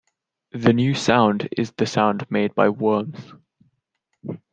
'The new sound is the sound made by worms.